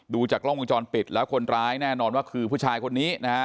จากกล้องวงจรปิดแล้วคนร้ายแน่นอนว่าคือผู้ชายคนนี้นะฮะ